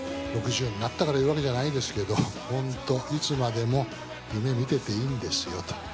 ６０になったから言うわけじゃないですけど、本当、いつまでも夢みてていいんですよと。